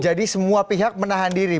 jadi semua pihak menahan diri